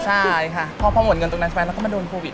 ใช่ค่ะพอหมดเงินตรงนั้นไปแล้วก็มาโดนโควิด